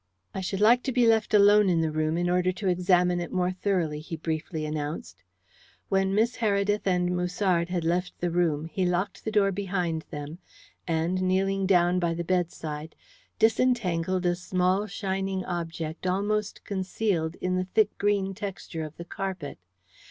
"I should like to be left alone in the room in order to examine it more thoroughly," he briefly announced. When Miss Heredith and Musard had left the room he locked the door behind them, and, kneeling down by the bedside, disentangled a small shining object almost concealed in the thick green texture of the carpet.